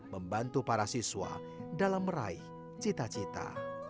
membantu para siswa dalam meraih cita cita